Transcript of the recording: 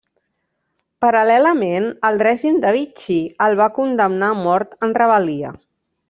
Paral·lelament, el règim de Vichy el va condemnar a mort en rebel·lia.